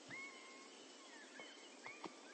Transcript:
Menga o'tish davra jokmajapti O'zbekistondagi